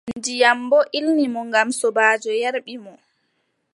Ndiyam boo ilni mo ngam sobaajo yerɓi mo.